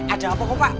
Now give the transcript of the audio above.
ada apa kok pak